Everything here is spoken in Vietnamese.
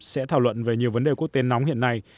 sẽ thảo luận về nhiều vấn đề quốc tế nóng hiện nay